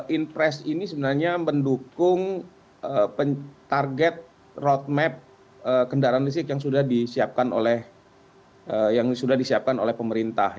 interest ini sebenarnya mendukung target roadmap kendaraan listrik yang sudah disiapkan oleh pemerintah